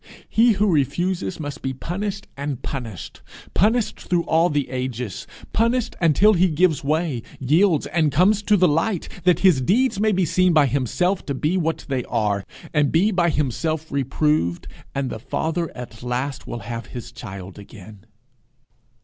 He who refuses must be punished and punished punished through all the ages punished until he gives way, yields, and comes to the light, that his deeds may be seen by himself to be what they are, and be by himself reproved, and the Father at last have his child again.